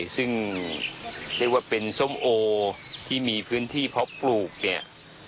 ซึ่งเรียกว่าเป็นส้มโอที่มีพื้นที่เพาะปลูกเนี่ย